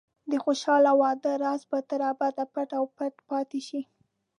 د خوشحاله واده راز به تر ابده پټ او پټ پاتې شي.